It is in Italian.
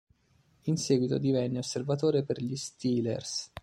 In seguito divenne osservatore per gli Steelers.